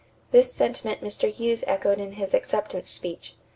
This sentiment Mr. Hughes echoed in his acceptance speech.